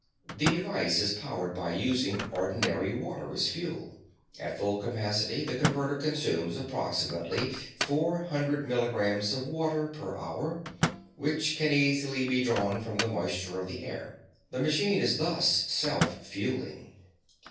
"The device is powered by using ordinary water as fuel. At full capacity, the Converter consumes approximately four hundred milligrams of water per hour, which can easily be drawn from the moisture of the air. The machine is thus self fueling.